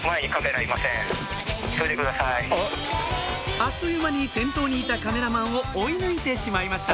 あっという間に先頭にいたカメラマンを追い抜いてしまいました